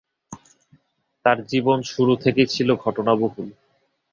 তার জীবন শুরু থেকেই ছিল ঘটনা বহুল।